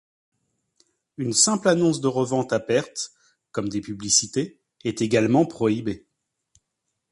Une simple annonce de revente à perte, comme des publicités, est également prohibée.